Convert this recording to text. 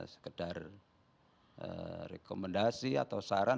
sekedar rekomendasi atau saran